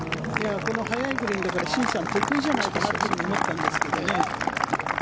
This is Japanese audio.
速いグリーンですからシンさん得意じゃないかなと思ったんですけど。